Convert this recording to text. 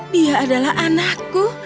dia adalah anakku